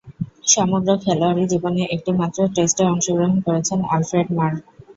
সমগ্র খেলোয়াড়ী জীবনে একটিমাত্র টেস্টে অংশগ্রহণ করেছেন আলফ্রেড মার।